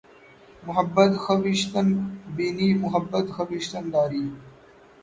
محبت خویشتن بینی محبت خویشتن داری